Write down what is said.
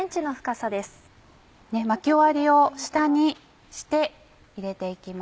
巻き終わりを下にして入れて行きます。